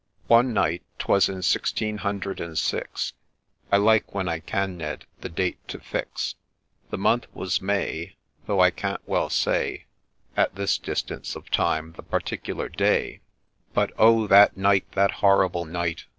One night — 'twas in Sixteen hundred and six, — I like when I can, Ned, the date to fix, — The month was May, Though I can't well say At this distance of time the particular day — But oh ! that night, that horrible night